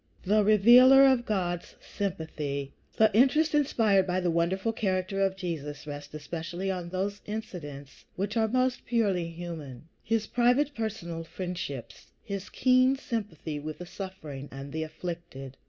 XV THE REVEALER OF GOD'S SYMPATHY The interest inspired by the wonderful character of Jesus rests especially on those incidents which are most purely human, his private, personal friendships, his keen sympathy with the suffering and the afflicted.